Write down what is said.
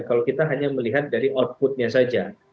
kalau kita hanya melihat dari output nya saja